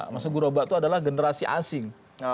maksud guroba itu adalah generasi asing